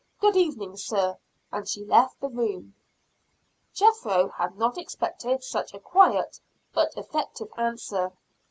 "Good evening, Sir!" and she left the room. Jethro had not expected such a quiet, but effective answer.